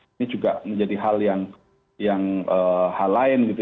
ini juga menjadi hal yang hal lain gitu